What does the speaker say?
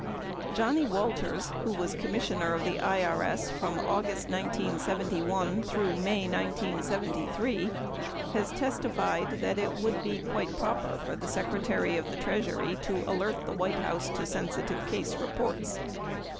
12 Johnnie Walters, who was Commissioner of the IRS from August 1971 through May 1973, has testified that it would be quite proper for the Secretary of the Treas ury to alert the White House to sensitive case reports.